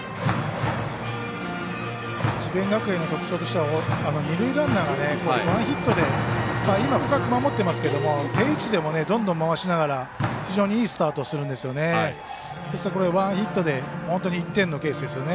智弁学園の特徴としては二塁ランナーがワンヒットで今は深く守ってますけども定位置でもどんどん回しながら非常にいいスタートをするんですよね。